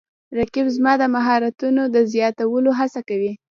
رقیب زما د مهارتونو د زیاتولو هڅه کوي